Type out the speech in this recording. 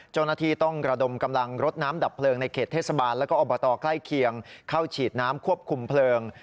เจ้าหน้าที่ต้องระดมกำลังรถน้ำดับเพลิงในเขตเทศบาลแล้วก็อบตใกล้เคียงเข้าฉีดน้ำควบคุมเพลิง